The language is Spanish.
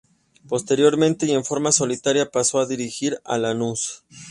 Posteriormente y en forma solitaria pasó a dirigir a Lanús.